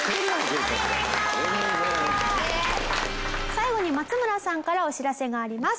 最後に松村さんからお知らせがあります。